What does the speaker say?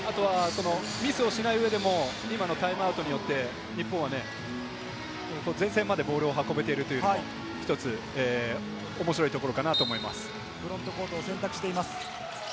ミスをしない上でも今のタイムアウトによって日本は前線までボールを運べているという、１つ面白いところかなと思います。